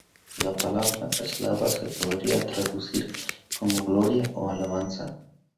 La palabra "slava" se podría traducir como "gloria" o "alabanza".